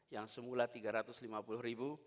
yang semula tiga ratus lima puluh ribu